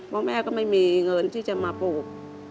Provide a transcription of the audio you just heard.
เพราะแม่ก็ไม่มีเงินที่จะมาปลูก